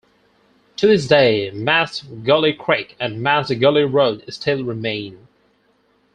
To this day, Mast Gully Creek and Mast Gully Road still remain.